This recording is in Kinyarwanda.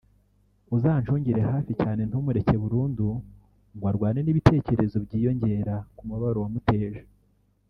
uzacungire hafi cyane ntumureke burundu ngo arwane n’ibitekerezo byiyongera ku mubabaro wamuteje